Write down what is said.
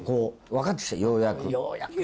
わかってきたようやく。